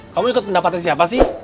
kamu ikut pendapatnya siapa sih